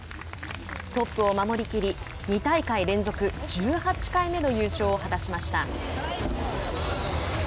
トップを守りきり２大会連続、１８回目の優勝を果たしました。